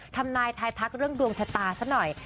ทำนายทายทักเรื่องดวงชะตาซะหน่อย